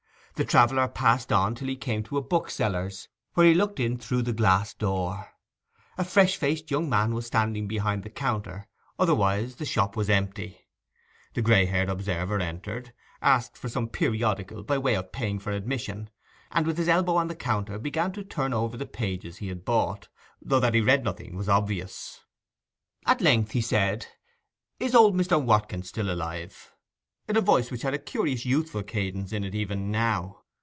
The traveller passed on till he came to the bookseller's, where he looked in through the glass door. A fresh faced young man was standing behind the counter, otherwise the shop was empty. The gray haired observer entered, asked for some periodical by way of paying for admission, and with his elbow on the counter began to turn over the pages he had bought, though that he read nothing was obvious. At length he said, 'Is old Mr. Watkins still alive?' in a voice which had a curious youthful cadence in it even now.